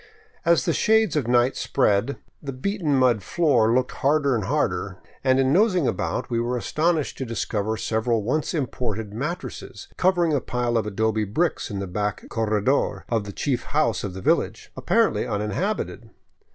As the shades of night spread, the beaten mud floor looked harder and harder, and in nosing about we were astonished to discover several once imported mattresses covering a pile of adobe bricks in the back corredor of the chief house of the village, apparently uninhabited.